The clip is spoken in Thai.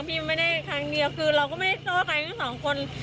ไม่ได้ครั้งเดียวคือเราก็ไม่ได้โทษใครทั้งสองคน